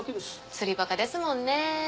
釣りバカですもんね。